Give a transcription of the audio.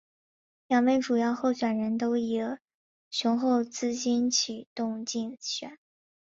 两位主要候选人都以雄厚资金启动竞选。